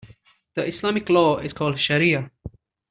The Islamic law is called shariah.